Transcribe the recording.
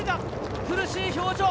苦しい表情。